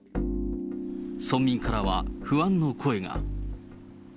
村民からは不安の声が。